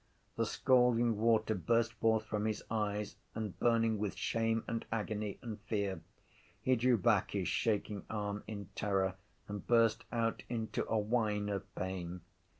The scalding water burst forth from his eyes and, burning with shame and agony and fear, he drew back his shaking arm in terror and burst out into a whine of pain.